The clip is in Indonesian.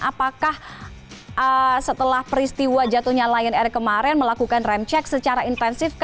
apakah setelah peristiwa jatuhnya lion air kemarin melakukan rem cek secara intensif